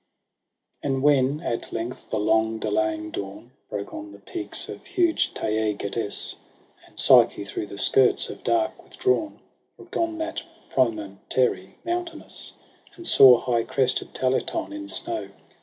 14 And when at length the long delaying dawn Broke on the peaks of huge Taygetus, And Psyche through the skirts of dark withdrawn Look'd on that promontory mountainous. And saw high crested Taleton in snow.